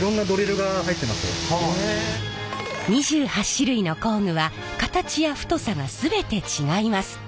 ２８種類の工具は形や太さが全て違います。